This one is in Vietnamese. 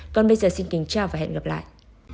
còn bây giờ xin kính chào và hẹn gặp lại